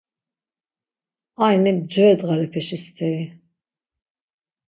Ayni mcve ndğalepeşi steri.